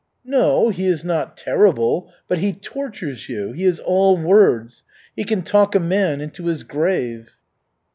"No, he is not terrible, but he tortures you, he is all words. He can talk a man into his grave."